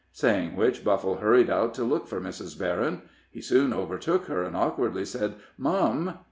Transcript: Saying which, Buffle hurried out to look for Mrs. Berryn. He soon overtook her, and awkwardly said: "Mum!"